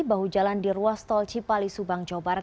bahu jalan di ruas tol cipali subang jawa barat